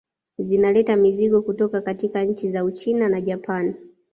Zinaleta mizigo kutoka katika nchi za Uchina na Japani